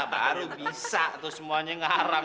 baru bisa tuh semuanya ngarang